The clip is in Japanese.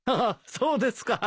そうですか。